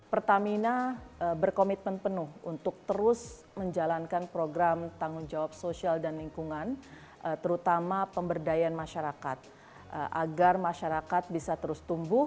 pertamina berkomitmen penuh untuk terus menjalankan program tanggung jawab sosial dan lingkungan terutama pemberdayaan masyarakat agar masyarakat bisa terus tumbuh